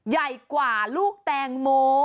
ใหญ่กว่าลูกแตงโม